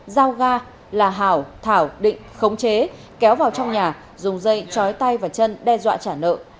giao ga là hảo thảo định khống chế kéo vào trong nhà dùng dây chói tay và chân đe dọa trả nợ